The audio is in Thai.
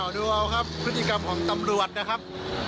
ดูเอาครับพฤติกรรมของตำรวจนะครับ